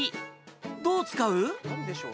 どう使う？